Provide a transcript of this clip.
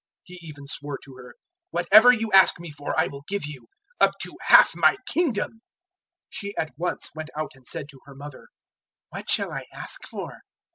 006:023 He even swore to her, "Whatever you ask me for I will give you, up to half my kingdom." 006:024 She at once went out and said to her mother: "What shall I ask for?"